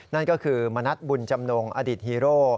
นั่นก็คือมณัฐบุญจำนงอดิตฮีโร่